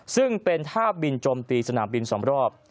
ซึ่งเป็นท่าบินโจมตีสนามบิน๒รอบ